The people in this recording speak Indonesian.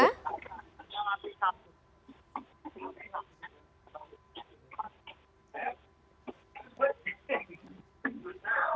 iya dia masih satu